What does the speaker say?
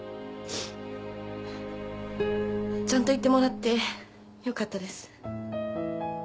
ちゃんと言ってもらってよかったです。